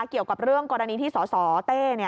เกี่ยวกับเรื่องกรณีที่สสเต้